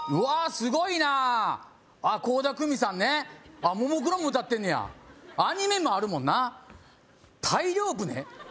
すごいなあっ倖田來未さんねあっももクロも歌ってんねやアニメもあるもんな「大漁船」？